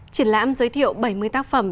triển lãm giới thiệu bảy mươi tác phẩm